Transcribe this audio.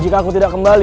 jika aku tidak kembali